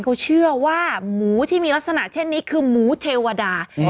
เขาเชื่อว่าหมูที่มีลักษณะเช่นนี้คือหมูเทวดา